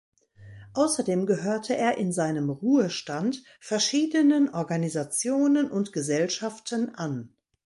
Außerdem gehörte er in seinem Ruhestand verschiedenen Organisationen und Gesellschaften an.